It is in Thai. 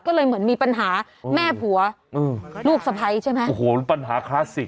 ก็เลยเหมือนมีปัญหาแม่ผัวอืมลูกสะพ้ายใช่ไหมโอ้โหปัญหาคลาสสิก